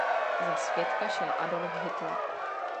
Za svědka šel Adolf Hitler.